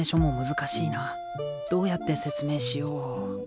どうやって説明しよう。